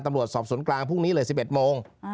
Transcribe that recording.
สอบสวนกลางพรุ่งนี้เลย๑๑โมง